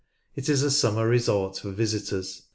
It is a summer resort for visitors.